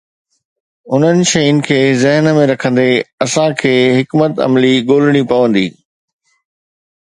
انهن شين کي ذهن ۾ رکندي، اسان کي حڪمت عملي ڳولڻي پوندي.